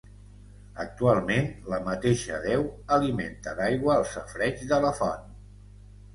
Actualment la mateixa deu alimenta d'aigua el safareig de la font.